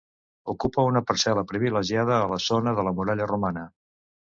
Ocupa una parcel·la privilegiada a la zona de la muralla romana.